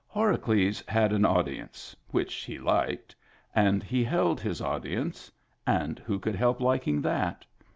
Horacles had an audience (which he liked), and he held his audience — and who could help liking that?